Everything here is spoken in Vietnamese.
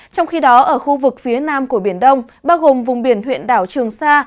trong khi đó ở khu vực phía nam của biển đông bao gồm vùng biển huyện đảo trường sa